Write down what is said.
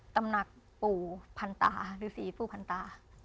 ตำหนักปู่พันตาหรือสีปู่พันตา